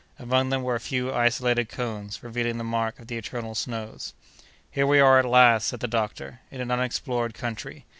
Among them were a few isolated cones, revealing the mark of the eternal snows. "Here we are at last," said the doctor, "in an unexplored country!